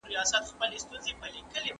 که وینه مناسب نه وي، بدن یې ردوي.